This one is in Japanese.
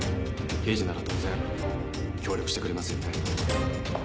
刑事なら当然協力してくれますよね？